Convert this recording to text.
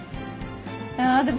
いやでもさ。